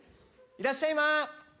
いらっしゃいま。